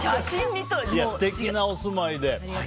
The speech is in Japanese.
素敵なお住まいで。